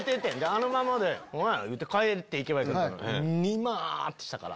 あのままで帰っていけばよかったのにニマってしたから。